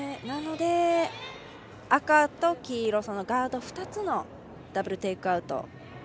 なので、赤と黄色ガード２つのダブルテイクアウト。